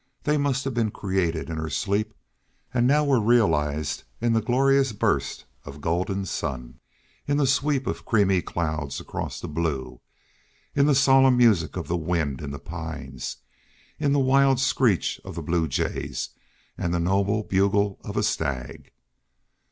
They must have been created in her sleep, and now were realized in the glorious burst of golden sun, in the sweep of creamy clouds across the blue, in the solemn music of the wind in the pines, in the wild screech of the blue jays and the noble bugle of a stag.